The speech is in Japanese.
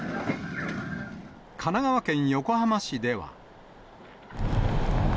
神奈川県横浜市では。